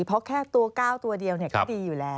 เพราะแค่ตัว๙ตัวเดียวก็ดีอยู่แล้ว